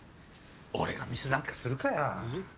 俺がミスなんかするかよ。